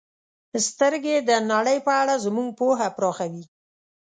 • سترګې د نړۍ په اړه زموږ پوهه پراخوي.